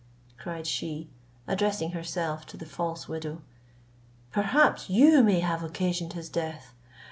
cried she, addressing herself to the false widow, "perhaps you may have occasioned his death.